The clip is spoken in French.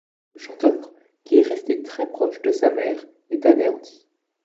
Le chanteur, qui est resté très proche de sa mère, est anéanti.